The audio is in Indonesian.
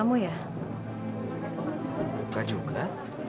sampai jumpa juga